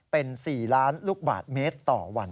เป็น๔ล้านลูกบาทเมตรต่อวัน